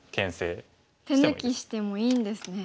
手抜きしてもいいんですね。